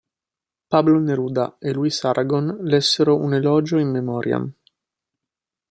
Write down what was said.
Pablo Neruda e Louis Aragon lessero un elogio 'in memoriam'.